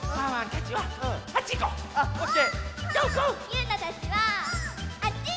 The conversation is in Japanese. ゆうなたちはあっち！